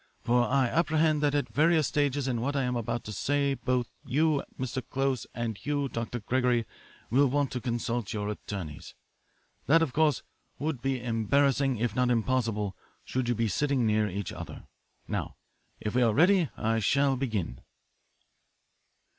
For I apprehend that at various stages in what I am about to say both you, Mr. Close, and you, Dr. Gregory, will want to consult your attorneys. That, of course, would be embarrassing, if not impossible, should you be sitting near each other. Now, if we are ready, I shall begin."